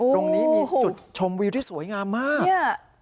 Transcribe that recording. ตรงนี้มีจุดชมวิวที่สวยงามมากเนี่ย